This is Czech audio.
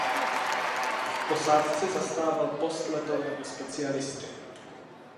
V posádce zastával post letového specialisty.